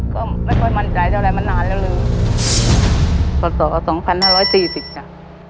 ก็ไม่ค่อยมั่นใจเท่าไรมานานแล้วเลยพศสองพันห้าร้อยสี่สิบจ้ะ